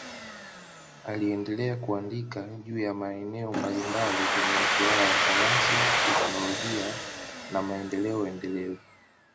Aliendelea kuandika juu ya maeneo mbalimbali kwenye masuala ya sayansi, teknolojia na maendeleo endelevu.